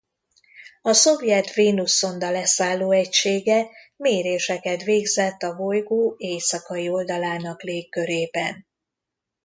A szovjet Vénusz-szonda leszálló egysége méréseket végzett a bolygó éjszakai oldalának légkörében.